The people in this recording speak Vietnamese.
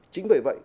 chính bởi vậy